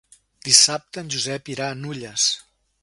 Dissabte en Josep irà a Nulles.